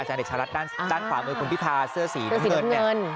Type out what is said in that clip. อาจารย์เดชรัฐด้านฝ่ามือคุณพิภาเสื้อสีน้ำเงิน